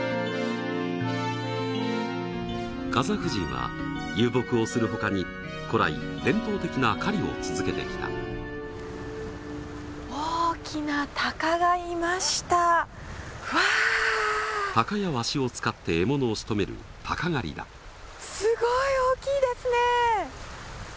カザフ人は遊牧をするほかに古来伝統的な狩りを続けてきた大きな鷹がいましたうわ鷹やワシを使って獲物をしとめる鷹狩りだすごい大きいですね